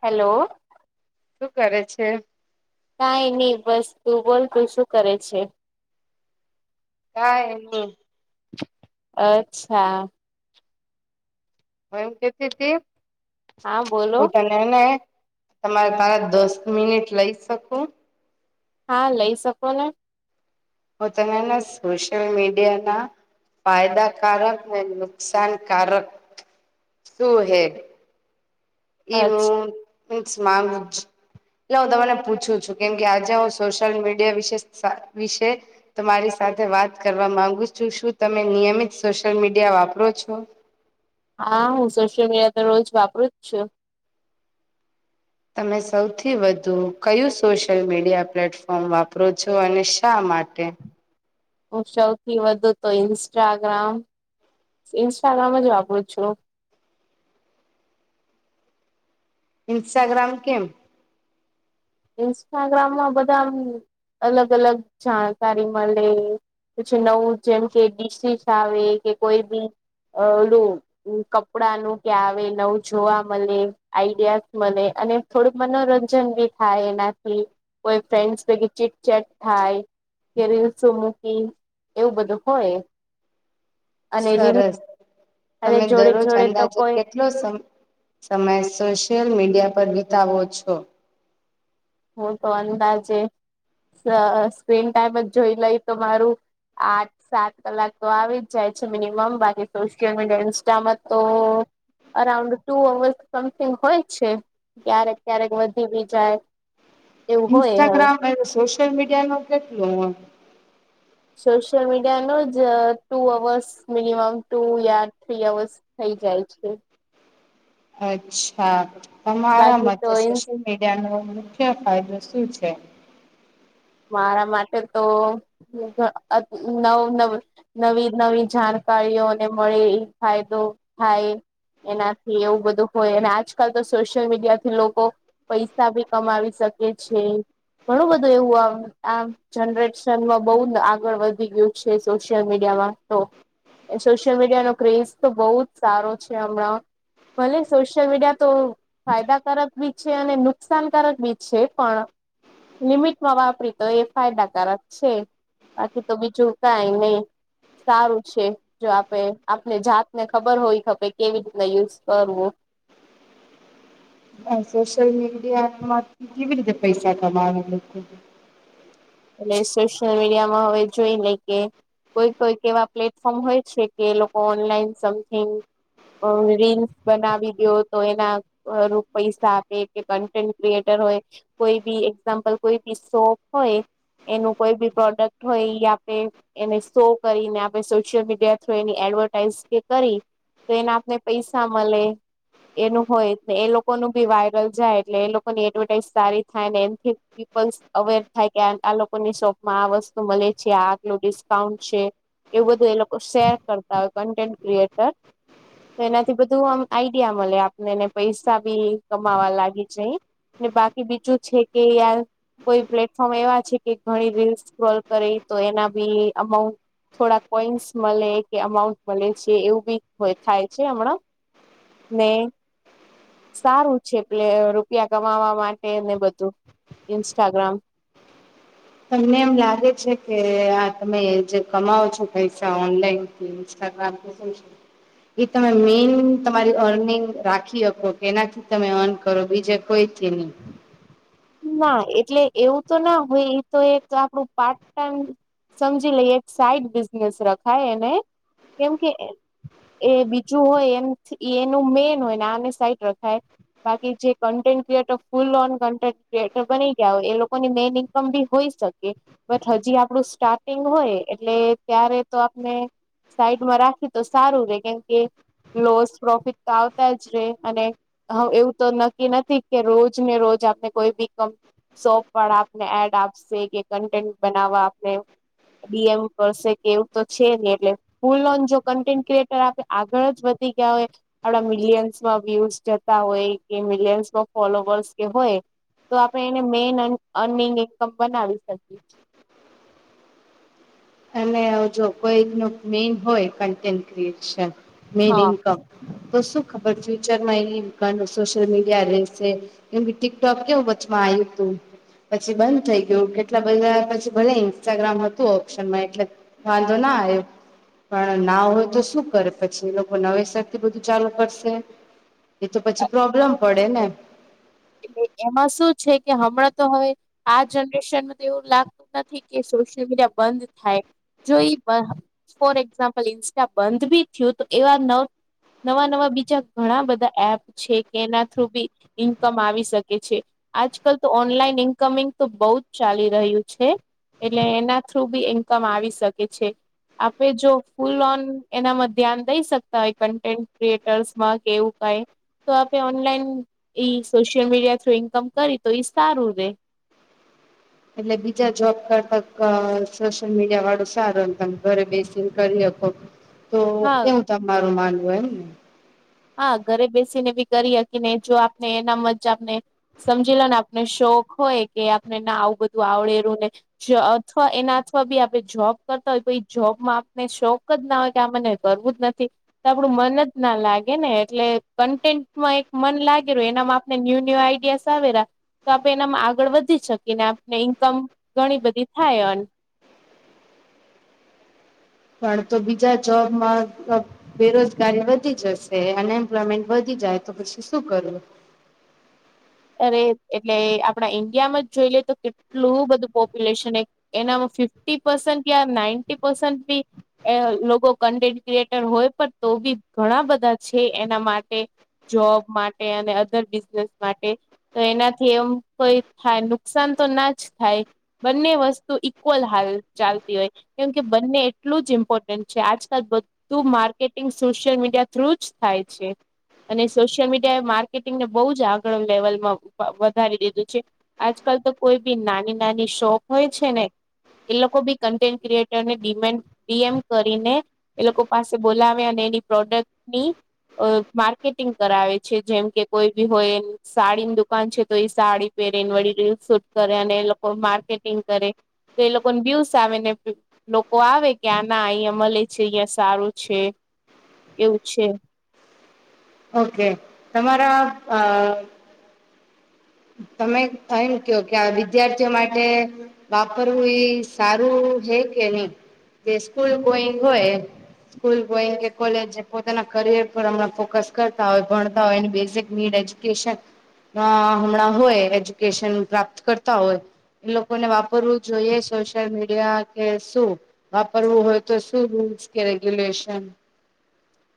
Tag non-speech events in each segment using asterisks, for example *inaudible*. Hello. શું કરે છે કઈ નહી બસ. તું બોલ તું શું કરે છે. કઈ નહી. અચ્છા. હ એમ કેતી હા બોલો હું તને હેને. તમારે પાંચ દસ મિનિટ લઈ શકું. હા લઈ શકો ને. તો તમને સોશિયલ મીડિયા ના. ફાયદાકારક ને નુકસાનકારક શું હે. એ હુ અચ્છા *unintelligible* એટલે હું તમને પુછું છું કેમ કે આજે હું સોશિયલ મીડિયા વિશે વિશે તમારી. સાથે વાત કરવા માંગુ છું શું તમે નિયમિત સોશિયલ મીડિયા વાપરો છો. હા હું સોશિયલ મીડિયા તો રોજ વાપરું જ છું. તમે સૌથી વધુ કયું સોશિયલ મીડિયા પ્લેટફોર્મ વાપરો છો અને શા. માટે. હુ સૌથી વધુ તો ઇન્સ્ટાગ્રામ. ઇન્સ્ટાગ્રામ જ વાપર છુ. *inaudible* ઇન્સ્ટાગ્રામ કેમ. ઇન્સ્ટાગ્રામમાં બધા આમ અલગ અલગ જાણકારી મળે. પછી નવું જેમ કે ડીસીસ આવે કે કોઈ બી અ ઓલુ કપડા નું ક્યાં આવે નવું જોવા મળે આઈડિયાસ મળે અને થોડું મનોરંજન બી થાય એનાથી કોઈ ફ્રેન્ડસ ભેગી ચીટ ચેટ થાય કે રીલસો મૂકી એવું બધું હોય અને રીલ સરસ અને તમે જોડે દરરોજ જોડે તો અંદાજે કોઈ કેટલો સમય સોશિયલ મીડિયા પર વિતાવો છો હું તો અંદાજે સ્ક્રીન ટાઈમ જ જોઈ લઈ તો મારું આઠ સાત કલાક તો આવી જ જાય છે મિનિમમ બાકી સોશિયલ મીડિયા ઇન્સ્ટામાં તો અરાઉન્ડ ટુ અવર્સ સમથિંગ હોય છે ક્યારેક ક્યારેક વધી બી જાય એવું હોય હવે ઇન્સ્ટાગ્રામ એ સોશિયલ મીડિયાનુ કેટલું સોશિયલ મીડિયા નો જ ટુ અવર્સ મિનિમમ ટુ યા થ્રી અવર્સ થઈ તી જાય છે અચ્છા તમારા બાકી તો મતે ઇન્ સોશિયલ મીડિયાનો કયા ફાયદો શું છે મારા માટે તો નવ નવ નવી નવી જાણ કારીઓને મળે એ ફાયદો થાય એનાથી એવું બધું હોય, અને આજકાલ તો સોશિયલ મીડિયા થી લોકો પૈસા ભી કમાવી શકે શકે છે ઘણું બધું એવું આમ આમ જનરેશનમાં બો આગળ વધી ગયું છે સોશિયલ મીડિયામાં તો સોશિયલ મીડિયાનો ક્રેઝ તો બો જ સારો છે હમળા ભલે સોશિયલ મીડિયા તો ફાયદાકારક બી છે અને નુકસાનકારક બી છે પણ લિમિટમાં વાપરી તો એ ફાયદાકારક છે બાકી તો બીજું કાય નય સારું છે જો આપે આપને જાતને ખબર હોય ખપે કેવી રીતના યુઝ કરવું. *inaudible* અ સોશ્યલ મીડિયામાં કેવી રીતે પૈસા કમાવે, એટલે કે? એટલે સોશિયલ મીડિયા માં હવે જોઈ લઈ કે કોઈક-કોઈક એવા પ્લેટફોર્મ હોય છે, કે લોકો ઓનલાઈન સમથિંગ અ રીલ્સ બનાવી દયો તો એના ઓલુ પૈસા આપે કે કન્ટેન્ટ ક્રિએટર હોય, કોઈ બી એક્ઝામ્પલ કોઈ બી સોપ હોય એનું કોઈ બી પ્રોડક્ટ હોય ઈ આપે, એને શો કરીને આપણે social media through any advertise કે કરી, તો એને આપને પૈસા મલે એનું હોય ને એ લોકોનું ભી વાયરલ જાય એટલે એ લોકોની એડવર્ટાઈઝ સારી થાય ને એમ થી-થી પણ અવેર થાય કે આમ છઆ લોકોની શોપમાં આ વસ્તુ મલે છે, આટલું ડિસ્કાઉન્ટ છે એવું બધું એ લોકો શેર કરતા હોય કન્ટેન્ટ ક્રિએટર તો એનાથી બધું આમ આઈડિયા મલે આપને ને પૈસા બી કમાવા લાગી જઈએ ને બાકી બીજું છે કે યાર કોઈ પ્લેટ ફોમ એવા છે કે ઘણી રીલસ સ્ક્રોલ કરે તો એના બી અમાઉન્ટ થોડા કોઈન્સ મલે કે અમાઉન્ટ મલે, છે એવું બી થાય છે હમણાં. મે સારું છે એટલે રૂપિયા કમાવા માટે ને બધું, ઇન્સ્ટાગ્રામ તમને એમ લાગે છે કે આ તમે જે કમાવો છો પૈસા ઓનલાઈનથી ઇન્સ્ટા ગ્રામ તો શું છે એ તમે મેઈન તમારી અર્નિંગ રાખી હકો કે એનાથી તમે અર્ન કરો બીજે કોઈ *unintelligible* ના એટલે એવું તો ના હોય, એ તો એક આપડું પાર્ટ ટાઈમ સમજી લઈએ એક સાઈડ બિઝનેસ રખાય એને કેમ કે એન એ બીજું હોય એમથી એનું મેન હોય, ને આને સાઈટ રખાય બાકી જે content creator full on content creator બની ગયા હોય એ લોકોની મેન ઈન્કમ બી હોય શકે, બટ હજી આપડું સ્ટાર્ટિંગ હોએ એટલે ત્યારે તો આપણે સાઈડમાં રાખી તો સારું રે કેમકે લોસ પ્રોફિટ તો આવતા જ રે અને હવ એવું તો નક્કી નથી કે રોજ ને રોજ આપણે કોઈ બી કમ શોપ વાળા આપને એડ આપશે કે કન્ટેન્ટ બનાવા આપને ડીએમ કરશે કે એવું તો છે, ની એટલે ફૂલોન જો કન્ટેન્ટ ક્રિએટર આપે આગળ જ વધ વધી ગયા હોય આપળા મિલિયન્સમાં વ્યૂઝ જતા હોય કે મિલિયન્સમાં ફોલોવર્સ કે હોય તો આપળે એને મેન અન‌ અર્નિંગ ઇન્કમ બનાવી શકીએ છે. *inaudible* *unintelligible* જો કોઈક નું મેન હોય કન્ટેન્ટ ક્રિએશન, મેન હા ઇન્કમ તો શું ખબર ફ્યુચરમાં એની કન સોશિયલ મીડિયા રશે કેમ ટિકટોક કેવું બદુ મા આયુતુ પછી બંધ થઈ ગયું, કેટલા બધા પછી ભલે ઇન્સ્ટાગ્રામ હતું ઓપ્શનમાં એટલે વાંધો ના આયો પણ ના હોય તો શું કરે પછી, લોકો નવેસર થી બધું ચાલુ કરશે એ તો પછી પ્રોબ્લેમ પડે ને? એટલે એમાં શું છે કે હમણાં તો હવે આ જનરેશનનું તો એવું લાગતું નથી કે *unintelligible* સોશિયલ મીડિયા બંધ થાય, જો ઈ બહ ફોર એક્ઝામ્પલ ઇન્સ્ટા બંધ બી થયું તો એવા ન નવા નવા બીજા ઘણા બધા એપ છે કે એના થ્રુ બી કમ આવી શકે છે. આજકાલ તો ઓનલાઈન ઇન્કમિંગ તો બઉ જ ચાલી રહ્યું છે. એટલે એના થ્રુ બી ઇન્કમ આવી શકે છે. આપે જો ફૂલ ઓન એનામાં ધ્યાન દઈ સકતા હોય કન્ટેન્ટ ક્રિએટર્સમાં કે એવું તાઈ તો આપે ઓનલાઈન ઈ સોશિયલ મીડિયા થ્રુ ઇન્કમ કરી તો ઈ સારું રે. એટલે બીજા જોબ કરતા અ સોશિયલ મીડિયાવાળું સારું તમ ઘરે બેસીને કરી હકો. તો હા કેમ તમારું માનવું એમ ને હા, ઘરે બેસીને બી કરી હકી નહિ જો આપને એના મ જાપને સમજીલે ના આપને શો હોક હોય કે આપને ના આવું બધું આવડેલું ને છે અથવા એના અથવા બી આપડે જોબ કરતા તોઈ જોબમાં આપને શોખ જ ના હોય કે આ મને કરવું જ નથી તો આપડુ મન જ ના લાગ ગેને એટલે કન્ટેન્ટમાં એક મન લાગે રહ્યું, એના માંપને ન્યુ ન્યુ આઈડિયા રા તો આપે એનામાં આગળ વધી શકીએ ને, આપને ઈન્કમ ઘણી બધી થાય અન પણ તો બીજા જોબમાં બેરોજગારી વધી જશે, અનએમ્પ્લોયમેન્ટ વધી જાય તો પછી શું કરવુ? અરે એટલે આપડા ઈન્ડિયામાં જ જોઈ લે તો કેટલું બધું પોપ્યુલેશન એક એના ફિફ્ટી પરસન્ટ યા નાઇન્ટટી પરસન્ટ ભી એ લોકો કન્ટેન્ટ ક્રિએટર હોય પણ તો બી ઘણા બધા છે એના માટે જોબ માટે અને અદર બિઝનેસ માટે તો એનાથી એમ કોઈ થાય નુકસાન તો ના જ થાય, બંને વસ્તુ ઈક્વલ થાઈ ચાલતી હોય કેમ કે બંને એટલું જ ઇમ્પોર્ટન્ટ છે, આજકાલ બધું માર્કેટિંગ સુ શિયલ મીડિયા થ્રુ જ થાય છે અને સોશિયલ મીડિયા એ માર્કેટિંગ ને બઉ જ આગળ લેવલ માં વધારી દીધું છે, આજકાલ તો કોઈ બી નાની નાની શોપ હોય છે ને એ લોકો બી કન્ટેન્ટ ક્રિએટર ને દીમેન્ડ ડીએમ કરીને એ લોકો પાસે બોલાવે અને એની પ્રોડક્ટની અ માર્કેટિંગ કરાવે છે, જેમ કે કોઈ બી હોય સાડી દુકાન છે, તો એઈ સાડી પહેરીને વળી રીલ શૂટ કરે અને એ લોકો માર્કેટિંગ કરે તો એ લોકોને બ્યુસ આવે ને લોકો આવે કે આ ના અહિયાં મલે છે અહિયાં સારું છે એવું છે ઓકે તમારા અ તમે એમ કયો કે આ વિદ્યાર્થીઓ માટે વાપરવું ઈ સારું હે કે નઈ જે સ્કૂલ ગોઈંગ હોય એ સ્કૂલ ગો ઈંગ એટલે કોલેજ ને પોતાના કરિયર પર હમણાં ફોકસ કરતા હોય ભણતા હોયની બેસિક નીડ એજ્યુકેશન ના હમણાં હોય એજ્યુકેશન પ્રાપ્ત કરતા હોય એ લોકોને વાપરવું જોઈએ સોશિયલ મીડિયા. કે શું વાપરવું હોય તો શું રૂલ્સ કે રેગ્યુલેશન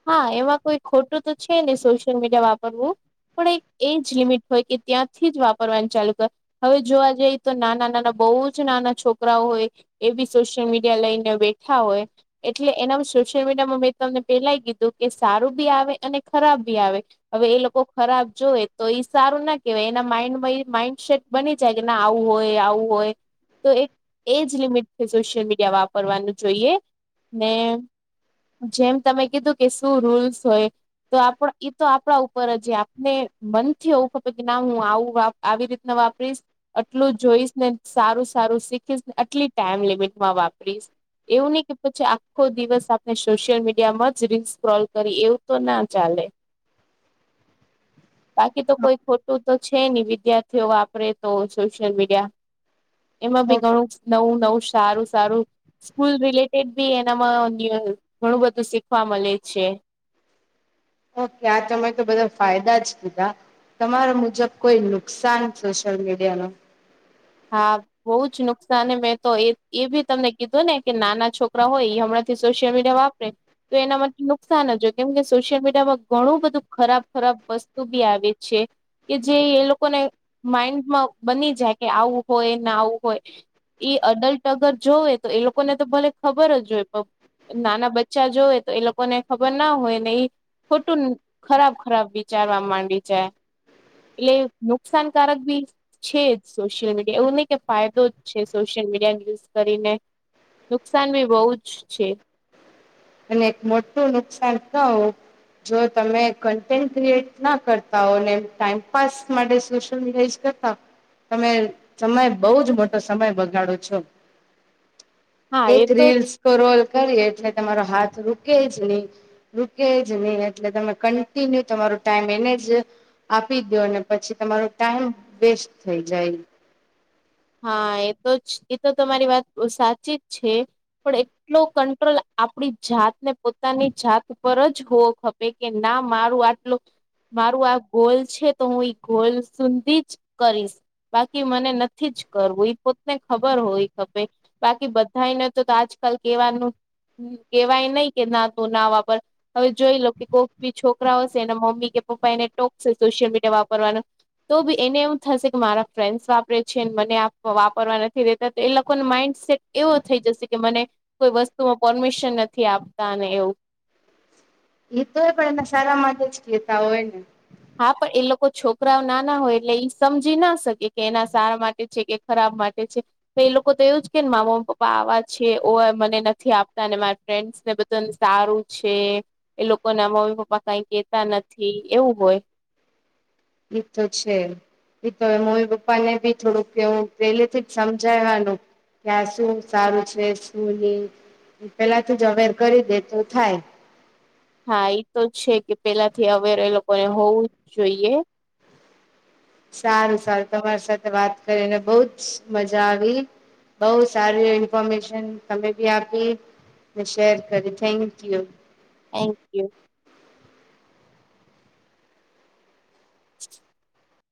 હા એમાં કોઈ ખોટું તો છે ની સોશિયલ મીડિયા વાપરવું પણ એક એજ લિમિટ હોય કે ત્યાંથી જ વાપરવાનું ચાલુ કર હવે જોવા જઈએ તો નાના નાના બોઉ જ નાના છોકરા હોય એ બી સોશિયલ મીડિયા લઈને બેઠા હોય એટલે એના વિશે *unintelligible* મડિયામાં મે તમને પેલા યે કી ધુ કે સારું બી આવે અને ખરાબ બી આવે હવે એ લોકો ખરાબ જોય તો ઈ સારું ના કેવાય એના માઈન્ડમાં માઈન્ડસેટ બની જાય કે ના આવું હોય આવું હોય તો એક એજ લિમિટ છે સોશિયલ મીડિયા વાપરવાનું જોઈએ ને જેમ તમે કીધું કે શું રૂલ્સ હોય તો આપનો ઈ તો આપડા ઉપર જે આપને મનથી એવું ફકે કે ના હું આવું આવી રીતના વાપરીસ આટલું જોઈશ ને સારું સારું શીખીશને આટલી ટાઈમ લિમિટમાં વાપરીશ. એવું ની ઈ કે પછી આખો દિવસ આપણે સોશિયલ મીડિયામાં જ છી રિલ્સ સ્ક્રોલ કરી એવું તો ના ચાલે. *inaudible* બાકી તો હા કોઈ ખોટું તો છે નહી વિદ્યાર્થીઓ વાપરે તો સોશિયલ મીડિયા *inaudible* એમાં બી ઘણું નવું નવું સારું સારુ સ્કૂલ રિલેટેડ બી એનામાં ઘણું બધુ સી શીખવા મળે છે ઓકે આ તમે તો બધા ફાયદા જ કીધા તમારા મુજબ કોઈ નુકસાન સોશિયલ મીડિયા નો હા બહુ જ નુકસાન મેં તો એ એ બી તમને કીધું ને કે નાના છોકરા હોય ઈ હમણાં સોશિયલ મીડિયા વાપરે તો એના માટે નુકસાન જ કેમ કે સોશિયલ મીડિયામાં ઘણું બધું ખરાબ વસ્તુ બી આવે છે કે જે એ લોકોને માઈન્ડમાં બની જાય કે આવું હોય ના આવું હોય એ અડલ્ટ અગર જોવે તો એ લોકોને તો ભલે ખબર જ હોય નાના બચ્ચા જોય તો એ લોકો ને ખબર ના હોય ને એ ખોટું ખરાબ ખરાબ વિચારવા માંડી જાય એટલે નુકસાનકારક બી છે જ સોશિયલ મીડિયા એવું નહી કે ફાયદો જ છે સોશિયલ મીડિયા યુઝ કરીને નુકસાન બી બહુ જ છે અને એક મોટું નુકસાન થું જો તમે કન્ટેન્ટ ક્રિએટ ના કરતા હો ને ટાઈમપાસ માટે સોશિયલ મીડિયા યુઝ ક તમે સમય બોહ જ મોટો સમય બગાડો છો હા એક એ તો રીલ્સ સ્ક્રોલ કરીએ એટલે તમારો હાથ રૂકે જ નહી રૂકે જ નહી એટલે તમે કન્ટિન્યુ તમારો ટાઈમ એને જ આપી દો ને પછી તમારો ટાઈમ વેસ્ટ થઈ જાય હા એ તો જ એ તો તમારી વાત સાચી જ છે પણ એટલો કંટ્રોલ આપણી જાતને પોતાની જાત ઉપર જ હોવો ખપે કે ના હા મારું આટલું મારું આ ગોલ છે તો હું ઈ ગોલ સુધી જ કરીશ બાકી મને થી જ કરવું એ પોતને ખબર હોય ખે બાકી બધાને તો આજકાલ કેવાનું કેવાય નહી કે ના તું ના વાપર હવે જોઈ લો કે કોઈક બી છોકરા હશે એને મમ્મી કે પપ્પા એને ટોક સોશિયલ મીડિયા વાપરવાનું તો બી એને એમું થશે કે મારા ફ્રેન્ડસ વાપરે છે છે મને વાપરવા નથી રેતા તો એ લોકોનો માઈન્ડસેટ એવો થઈ જશે કે મને કોઈ વસ્તુ તો પરમિશન નથી આપતા અને એવું એ તો હોય પણ એના સારા માટે જ કહેતા હોય ને હા, પણ એ લોકો છોકરાઓ નાના હોય એટલે ઈ સમજી ના શકે કે એના સારા માટે છે કે ખરાબ માટે છે, તો એ લોકો તો એવું જ કેને માર મમ્મીપપ્પા આવા છે મને નથી આપતા અને મારી ફ્રેન્ડ ને બધા સારું છે, એ લોકો ના મમ્મી પપા કઈ કેતા નથી એવું હોય એ, તો છે એ તો હ મમી પપ્પા ને ભી થોડુંક એવું પેલે થી જ સમજાયવાનું ત્યાં શું સારું છે શું નહી પેલા થી જ આગળ કરી દે તો થાય હા, એતો છે કે પેલાથી અવેર એ લોકોને હોવું જ જોઈએ સારું, સારું, તમારી સાથે વાત કરીને બહુ જ મજા આવી બઉ સારી ઇન્ફોર્મેશન તમે બી આપી મે શેર કરી થેન્ક યુ થેન્ક યુ *inaudible*